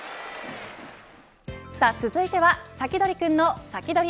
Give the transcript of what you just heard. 続いてはサキドリくんのサキドリ！